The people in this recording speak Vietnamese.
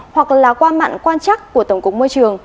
hoặc là qua mạng quan chắc của tổng cục môi trường